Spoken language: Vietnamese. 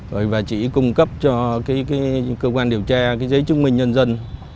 rồi chị cung cấp cho cơ quan điều tra giấy chứng minh nhân dân